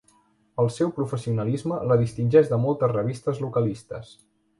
El seu professionalisme la distingeix de moltes revistes localistes.